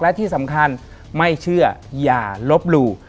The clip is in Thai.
และที่สำคัญไม่เชื่ออย่าลบหลู่